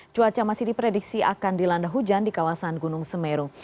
cuaca masih diprediksi akan dilanda hujan di kawasan gunung semeru